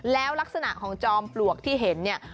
แล้วลักษณะของจอมปลวกที่เห็นเนี่ย